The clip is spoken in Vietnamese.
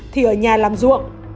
thì ở nhà làm ruộng